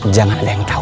jangan ada yang tau